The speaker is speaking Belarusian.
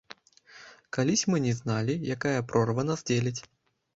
Калісь мы не зналі, якая прорва нас дзеліць.